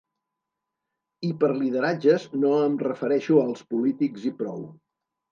I per lideratges no em refereixo als polítics i prou.